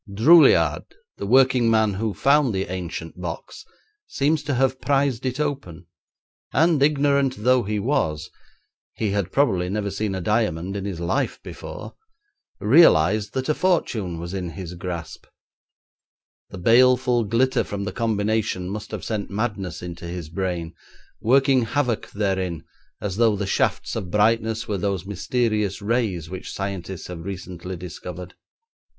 Droulliard, the working man who found the ancient box, seems to have prised it open, and ignorant though he was he had probably never seen a diamond in his life before realised that a fortune was in his grasp. The baleful glitter from the combination must have sent madness into his brain, working havoc therein as though the shafts of brightness were those mysterious rays which scientists have recently discovered.